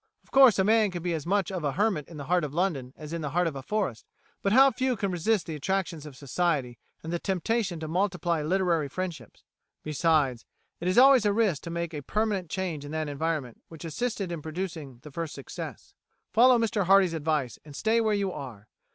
Of course, a man can be as much of a hermit in the heart of London as in the heart of a forest, but how few can resist the attractions of Society and the temptation to multiply literary friendships! Besides, it is always a risk to make a permanent change in that environment which assisted in producing the first success. Follow Mr Hardy's advice and stay where you are.